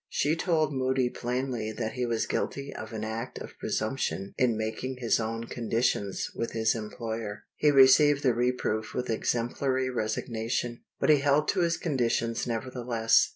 She told Moody plainly that he was guilty of an act of presumption in making his own conditions with his employer. He received the reproof with exemplary resignation; but he held to his conditions nevertheless.